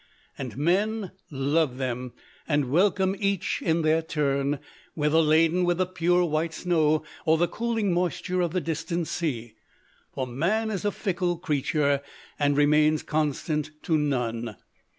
And men love them, and welcome each in their turn, whether laden with the pure white snow, or the cooling moisture of the distant sea; for man is a fickle creature, and remains constant to none.